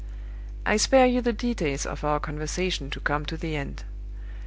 "I spare you the details of our conversation to come to the end.